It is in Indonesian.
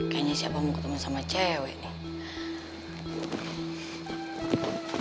kayaknya si abah mau ketemu sama cewek nih